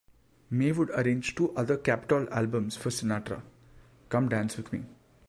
May would arrange two other Capitol albums for Sinatra, Come Dance with Me!